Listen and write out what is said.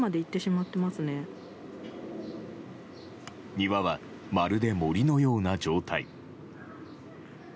庭はまるで森のような状態。